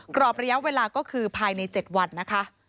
กรอบระยะเวลาก็คือภายใน๗วันนะคะ